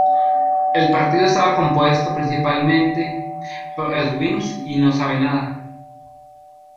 El partido estaba compuesto principalmente por ex Whigs y No Sabe Nada.